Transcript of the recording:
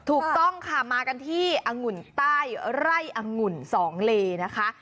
ถูกต้องค่ะมากันที่องุ่นใต้ไร่อังุ่นสองเลนะคะ